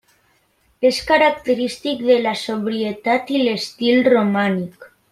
És característic de la sobrietat de l'estil romànic.